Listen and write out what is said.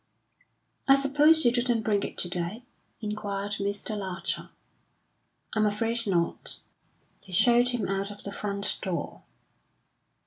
"I suppose you didn't bring it to day?" inquired Mr. Larcher. "I'm afraid not." They showed him out of the front door.